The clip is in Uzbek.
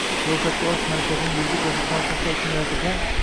Ro‘yxatga olish markazining yuridik va jismoniy shaxslar uchun yaratilgan